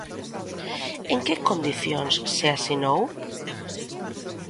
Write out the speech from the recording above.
¿En que condicións se asinou?